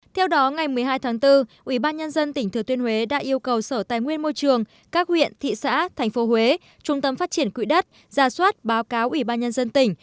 theo đó ngày một mươi hai tháng bốn ủy ban nhân dân tỉnh thừa thiên huế đã yêu cầu sở tài nguyên môi trường các huyện thị xã thành phố huế trung tâm phát triển quỹ đất ra soát báo cáo ủy ban nhân dân tỉnh